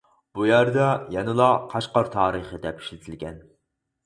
بۇ يەردە يەنىلا «قەشقەر تارىخى» دەپ ئىشلىتىلگەن.